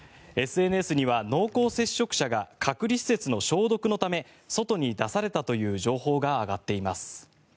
ＳＮＳには濃厚接触者が隔離施設の消毒のため外に出されたという情報が上がっています。